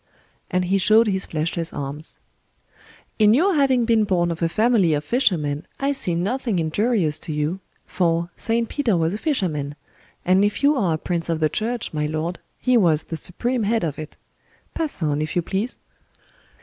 —and he showed his fleshless arms. "In your having been born of a family of fishermen I see nothing injurious to you; for—St. Peter was a fisherman; and if you are a prince of the church, my lord, he was the supreme head of it. Pass on, if you please."